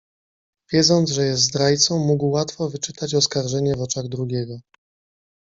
"Wiedząc, że jest zdrajcą, mógł łatwo wyczytać oskarżenie w oczach drugiego."